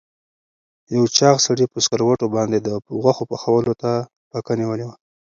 یو چاغ سړي په سکروټو باندې د غوښو پخولو ته پکه نیولې وه.